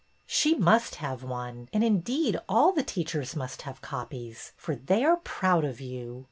•'' She must have one, and indeed all the teachers must have copies, for they are proud of you."